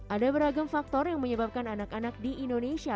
ada beragam faktor yang menyebabkan anak anak di indonesia